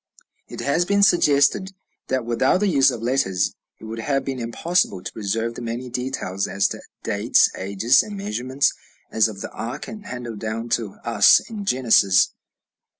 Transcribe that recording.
It has been suggested that without the use of letters it would have been impossible to preserve the many details as to dates, ages, and measurements, as of the ark, handed down to us in Genesis.